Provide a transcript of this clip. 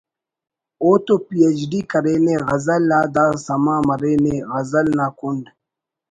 او تو P H D کرینے غزل آ دا سما مرے نے…… غزل نا کنڈ